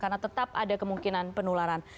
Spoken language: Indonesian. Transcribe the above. karena tetap ada kemungkinan penularan